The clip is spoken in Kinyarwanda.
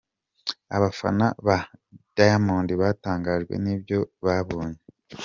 Abafana ba Diamond batangajwe n'ibyo babonye.